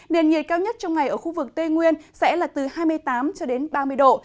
điện nhiệt cao nhất trong ngày ở khu vực tây nguyên sẽ là từ hai mươi tám ba mươi độ